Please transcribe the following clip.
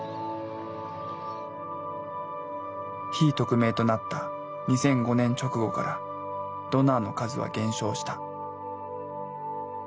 非匿名となった２００５年直後からドナーの数は減少した。